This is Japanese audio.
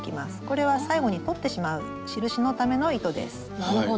これは最後に取ってしまう印のための糸です。